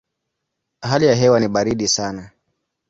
Hali ya hewa ni baridi sana.